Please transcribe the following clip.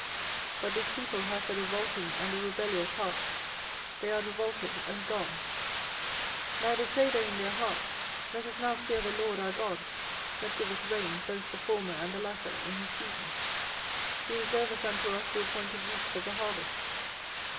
24:005:023 But this people hath a revolting and a rebellious heart; they are revolted and gone. 24:005:024 Neither say they in their heart, Let us now fear the LORD our God, that giveth rain, both the former and the latter, in his season: he reserveth unto us the appointed weeks of the harvest.